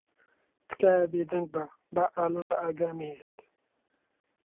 تکایە بێدەنگ بە با ئالان بە ئاگا نەھێنیت.